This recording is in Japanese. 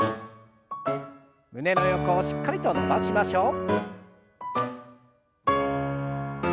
胸の横をしっかりと伸ばしましょう。